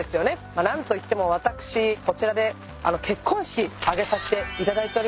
何といっても私こちらで結婚式挙げさせていただいております。